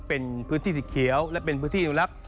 เป็นพื้นที่สีเขียวและเป็นพื้นที่อนุลักษณ